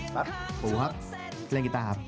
ครับภูครับเล่นกิตาครับ